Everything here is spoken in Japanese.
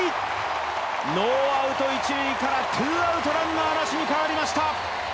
ノーアウト一塁から、ツーアウトランナー一塁に変わりました。